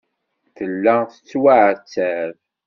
Tella tettwaɛettab.